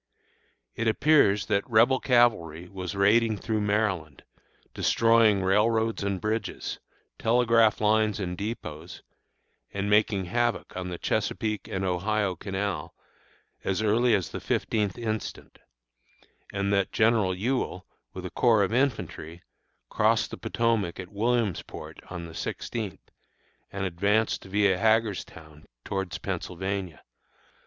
It appears that Rebel cavalry was raiding through Maryland, destroying railroads and bridges, telegraph lines and dépôts, and making havoc on the Chesapeake and Ohio Canal as early as the fifteenth instant; and that General Ewell, with a corps of infantry, crossed the Potomac at Williamsport on the sixteenth, and advanced via Hagerstown towards Pennsylvania.